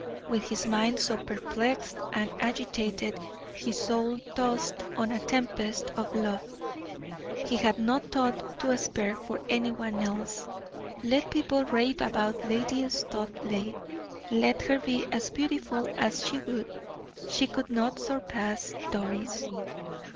With his mind so perplexed and agitated, his soul tossed on a tempest of love, he had no thought to spare for any one else. Let people rave about Lady Studleigh, let her be as beautiful as she would, she could not surpass Doris.